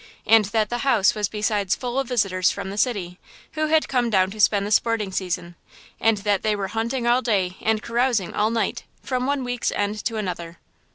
And that the house was besides full of visitors from the city, who had come down to spend the sporting season, and that they were hunting all day and carousing all night from one week's end to another.